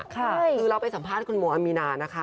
คือเราไปสัมภาษณ์คุณโมอามีนานะคะ